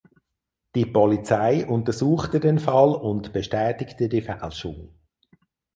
Die Polizei untersuchte den Fall und bestätigte die Fälschung.